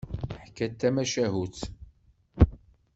Teḥka-d tamacahut.